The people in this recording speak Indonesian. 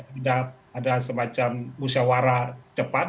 tidak ada semacam musyawarah cepat